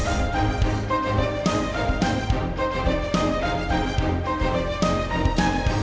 aku akan buktiin